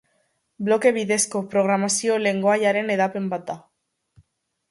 Bloke bidezko programazio-lengoaiaren hedapen bat da.